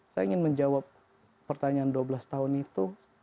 saya ingin menjawab pertanyaan dua belas tahun itu